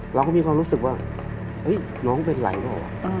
เราก็มีความรู้สึกว่าน้องเป็นไรเปล่าวะ